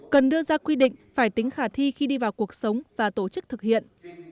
cần đưa ra quy định phải tính khả thi khi đi vào cuộc sống và tổ chức thực hiện